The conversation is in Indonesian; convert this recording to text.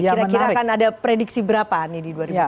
kira kira akan ada prediksi berapa di dua ribu dua puluh empat nanti